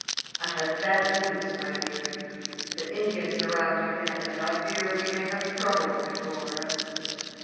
"I have bad news, my dear. The Indians are out again, and I fear we may have trouble before us.